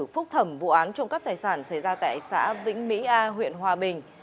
phúc thẩm vụ án trộm cắp tài sản xảy ra tại xã vĩnh mỹ a huyện hòa bình